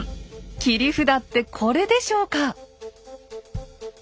切り札ってこれでしょうか。